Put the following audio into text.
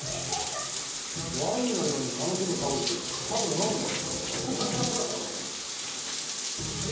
「ワインのように愉しむタオル」ってタオル飲むの？